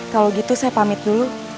kalau gitu saya pamit dulu